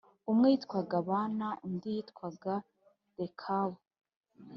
umwe yitwaga Bāna, undi yitwaga Rekabu